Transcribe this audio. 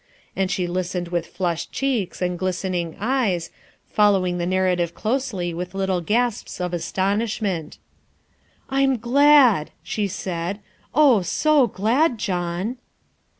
And she listened with flushed cheeks and glistening eyes, following the narrative closely with little gasps of astonishment. "I'm glad," she said, " oh, so glad, John."